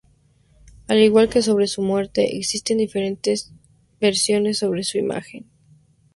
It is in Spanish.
Al igual que sobre su muerte, existen diferentes versiones sobre su imagen.